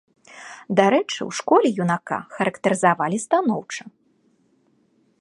Дарэчы, у школе юнака характарызавалі станоўча.